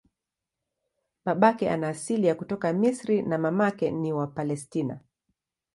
Babake ana asili ya kutoka Misri na mamake ni wa Palestina.